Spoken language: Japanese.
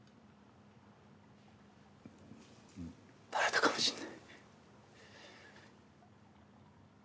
バレたかもしれない。